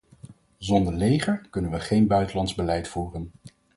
Zonder leger kunnen we geen buitenlands beleid voeren.